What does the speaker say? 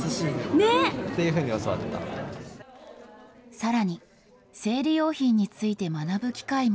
さらに、生理用品について学ぶ機会も。